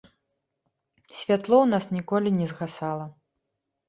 Святло ў нас ніколі не згасала.